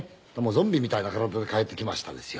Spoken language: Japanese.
ゾンビみたいな体で帰ってきましたですよ。